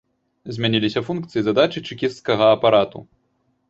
Змяніліся функцыі і задачы чэкісцкага апарату.